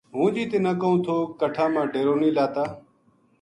ہوں جی تنا کہوں تھو کٹھا ما ڈیرو نیہہ لاتا